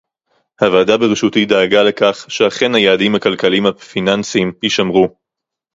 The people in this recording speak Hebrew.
הוועדה בראשותי דאגה לכך שאכן היעדים הכלכליים הפיננסיים יישמרו